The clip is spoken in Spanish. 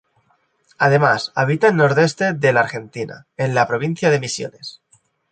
Además habita en nordeste de la Argentina, en la provincia de Misiones.